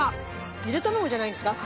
ゆで卵じゃないんですか？